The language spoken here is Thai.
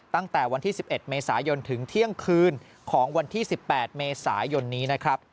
ตั้งแต่วันที่๑๑เมษายนถึงเที่ยงคืนของวันที่๑๘เมษายนนี้นะครับ